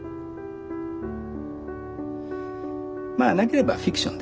まあなければフィクションで。